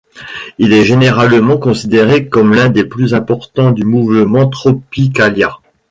Il est généralement considéré comme l'un des plus importants du mouvement tropicalia.